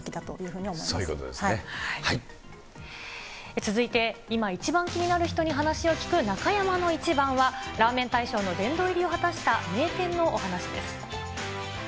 続いて今、一番気になる人に話を聞く中山のイチバンは、ラーメン大賞の殿堂入りを果たした名店のお話です。